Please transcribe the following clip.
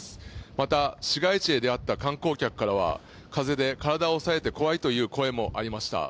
また市街地で出会った観光客は風で体を押されて怖いという声もありました。